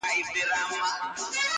پرې ویده تېرېږي بله پېړۍ ورو ورو،